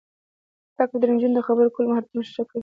زده کړه د نجونو د خبرو کولو مهارتونه ښه کوي.